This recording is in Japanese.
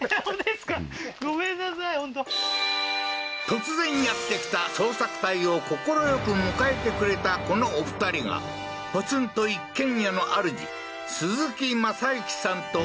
突然やって来た捜索隊を快く迎えてくれたこのお二人がポツンと一軒家のあるじ鈴木正行さんと